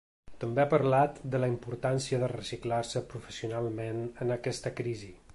També ha parlat de la importància de reciclar-se professionalment en aquesta crisi.